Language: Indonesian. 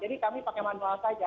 kami pakai manual saja